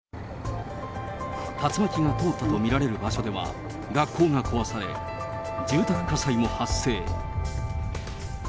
竜巻が通ったと見られる場所では、学校が壊され、住宅火災も発生。